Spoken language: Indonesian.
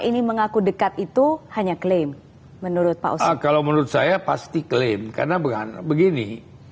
ini mengaku dekat itu hanya klaim menurut paus kalau menurut saya pasti klaim karena bukan begini